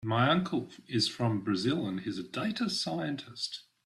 My uncle is from Brazil and he is a data scientist.